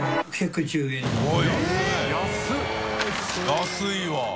安いわ。